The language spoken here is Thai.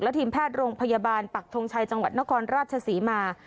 ทีมแพทย์โรงพยาบาลปักทงชัยจังหวัดนครราชศรีมา